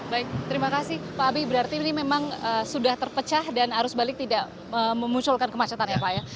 baik terima kasih pak abi berarti ini memang sudah terpecah dan arus balik tidak memunculkan kemacetan ya pak ya